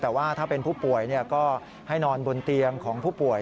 แต่ว่าถ้าเป็นผู้ป่วยก็ให้นอนบนเตียงของผู้ป่วย